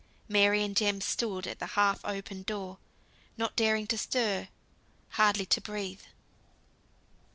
Mary and Jem stood at the half open door, not daring to stir; hardly to breathe.